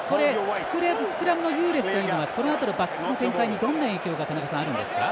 スクラムの優劣というのはこの辺りのバックスの展開にどんな影響が田中さん、あるんですか？